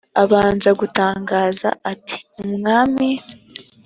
abanza gutangaza ati ubwami